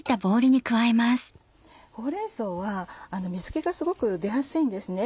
ほうれん草は水気がすごく出やすいんですね。